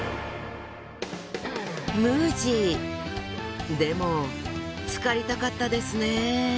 無地！でもつかりたかったですね。